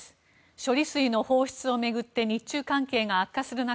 処理水の放出を巡って日中関係が悪化する中